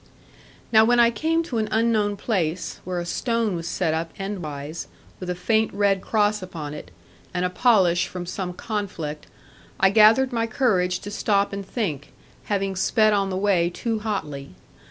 Now when I came to an unknown place, where a stone was set up endwise, with a faint red cross upon it, and a polish from some conflict, I gathered my courage to stop and think, having sped on the way too hotly.